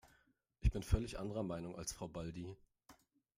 Ich bin völlig anderer Meinung als Frau Baldi.